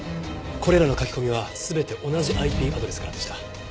これらの書き込みは全て同じＩＰアドレスからでした。